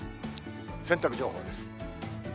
洗濯情報です。